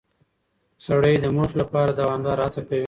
سړی د موخې لپاره دوامداره هڅه کوي